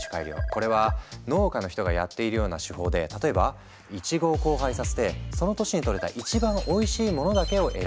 これは農家の人がやっているような手法で例えばイチゴを交配させてその年にとれた一番おいしいものだけを選び